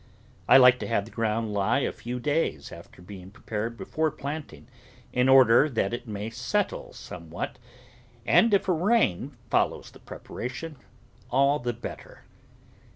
I like to have the ground lie a few days after being prepared before planting, in order that it may settle somewhat, and if a rain follows the preparation, all the better.